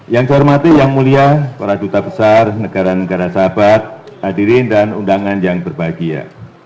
yang saya hormati yang mulia para duta besar negara negara sahabat hadirin dan undangan yang berbahagia